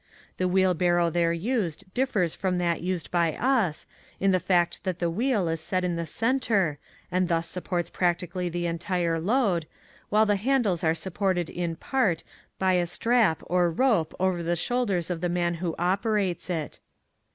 The wheelbarrow there used differs from that used bv us, in the fact that the wheel is set in the center and thus supports practically the entire load, while the handles are supported in part by a strap or rope over the shoulders of the man who operates it.